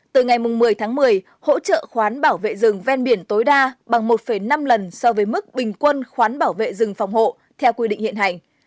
từ ngày một mươi tháng một mươi hỗ trợ khoán bảo vệ rừng ven biển tối đa bằng một năm lần so với mức bình quân khoán bảo vệ rừng phòng hộ theo quy định hiện hành